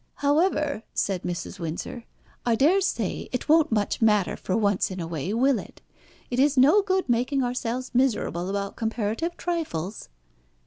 "However," said Mrs. Windsor, "I daresay it won't much matter for once in a way, will it? It is no good making ourselves miserable about comparative trifles."